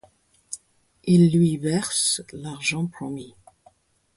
Ils lui versent l'argent promis.